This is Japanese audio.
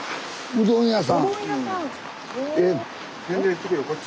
うどん屋さん。へ。